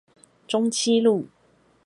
中棲路